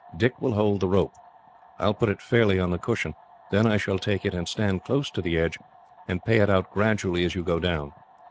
Dick will hold the rope. I will put it fairly on the cushion. Then I shall take it and stand close to the edge, and pay it out gradually as you go down.